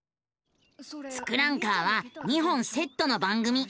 「ツクランカー」は２本セットの番組。